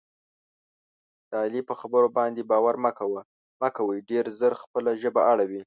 د علي په خبرو باندې باور مه کوئ. ډېر زر خپله ژبه اړوي.